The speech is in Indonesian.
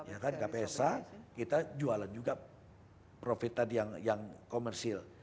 ya kan kpsa kita jualan juga profitan yang komersil